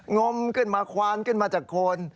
มขึ้นมาควานขึ้นมาจากโคน